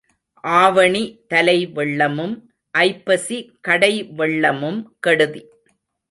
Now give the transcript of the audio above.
ஆவணி தலை வெள்ளமும் ஐப்பசி கடை வெள்ளமும் கெடுதி.